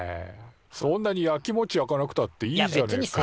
そんなにヤキモチやかなくたっていいじゃねえかよ。